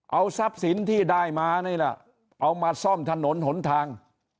เอาทรัพย์สินที่ได้มานี่แหละเอามาซ่อมถนนหนทาง